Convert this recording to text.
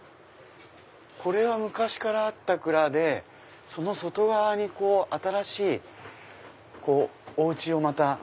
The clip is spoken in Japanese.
これは昔からあった蔵でその外側に新しいお家をまた。